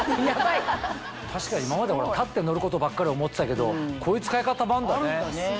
確かに今まで立って乗ることばっかり思ってたけどこういう使い方もあるんだね。